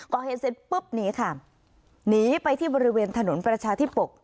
ก่อเหตุเสร็จปุ๊บหนีค่ะหนีไปที่บริเวณถนนประชาธิปก